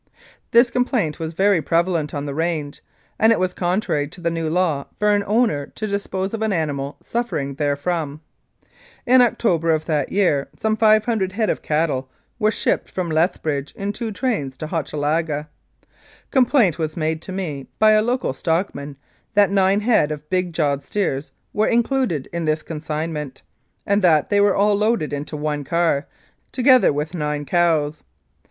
This complaint was very prevalent on the range, and it was contrary to the new law for an owner to dispose of an animal suffering therefrom. In October of that year some 500 head of cattle were shipped from Lethbridge in two trains to Hochelaga. Complaint was made to me by a local stockman that nine head of big jawed steers were included in this consignment, and that they were all loaded into one car, together with nine cows.